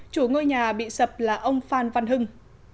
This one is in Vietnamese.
chủ ngôi nhà bị sập là ông phan văn hưng